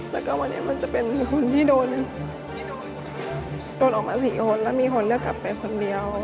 แล้วก็วันนี้มันจะเป็นคนที่โดนออกมา๔คนแล้วมีคนเลือกกลับไปคนเดียว